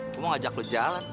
gue mau ajak lu jalan